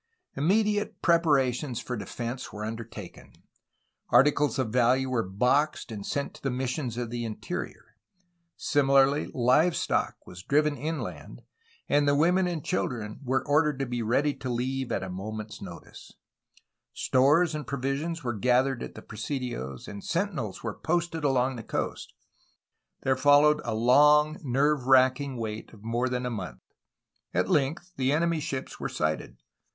Immediate preparations for defence were undertaken. Articles of value were boxed, and sent to the missions of the interior. Similarly, livestock was driven inland, and the women and children were ordered to be ready to leave at a 444 AlHISTORY OF CALIFORNIA' moment's notice. Stores and provisions were gathered at the presidios, and sentinels were posted along the coast. There followed a long, nerve wracking wait of more than a month. At length, the enemy ships were sighted.